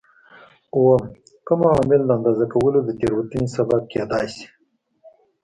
اووم: کوم عوامل د اندازه کولو د تېروتنې سبب کېدای شي؟